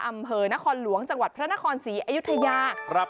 อำเภอนครหลวงจังหวัดพระนครศรีอยุธยาครับ